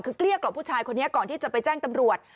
คือเกลี้ยกล่อมผู้ชายคนนี้ก่อนที่จะไปแจ้งตำรวจ